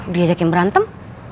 diajak yang berantem